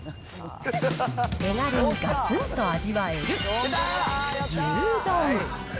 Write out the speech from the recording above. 手軽にがつんと味わえる牛丼。